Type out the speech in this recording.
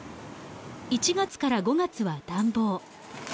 １月から５月は暖房。